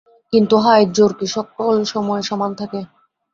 কিন্তু হায়, জোর কি সকল সময় সমান থাকে?